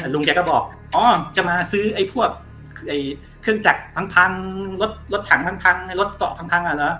ลุงแกก็บอกอ๋อจะมาซื้อไอ้พวกเครื่องจักรพังรถถังพังไอ้รถเกาะพังอ่ะเหรอ